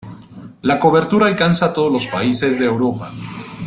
La cobertura alcanza a todos los países de Europa.